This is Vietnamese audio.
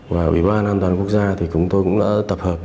và ủy ban an toàn quốc gia thì chúng tôi cũng đã tập hợp